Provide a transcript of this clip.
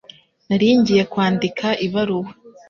Nari ngiye kwandika ibaruwa.